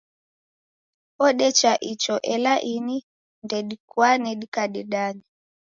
Odecha icho, ela ini ndedikwane dikadedanya